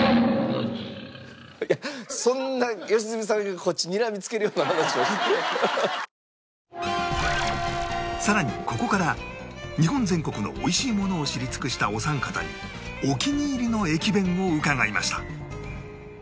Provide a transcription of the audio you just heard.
いやそんなさらにここから日本全国の美味しいものを知り尽くしたお三方にお気に入りの駅弁を伺いました